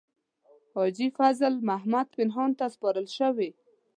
حاجي فضل محمد پنهان ته سپارل شوې.